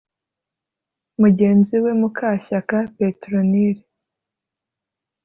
Mugenzi we Mukashyaka Pétronile